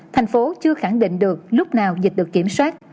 thành phố chưa khẳng định được lúc nào dịch được kiểm soát